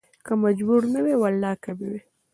که مجبور نه وى ولا کې مې